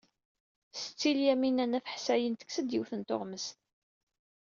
Setti Lyamina n At Ḥsayen tekkes-d yiwet n tuɣmest.